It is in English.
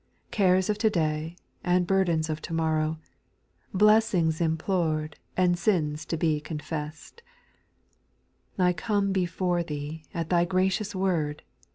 Cares of to day and burdens of to morrow, Blessings implored and sins to be confes sed, — I come before Thee at Thy gracious word.